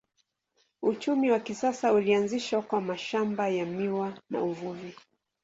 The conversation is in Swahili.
Uchumi wa kisasa ulianzishwa kwa mashamba ya miwa na uvuvi.